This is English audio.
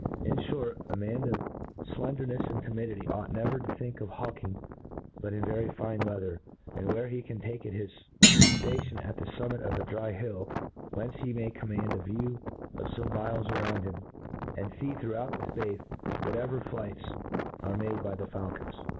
In fhort, a ms^n of flendernefs and tdmiciity ought never to think of hawking but in very fine weather, and where he can take hi^ ftation on the fummit of a dry hill, whence he may command a view of fome miles around him, and fee throughout that fpace whatcycf ipights are m?^de by the faulcons.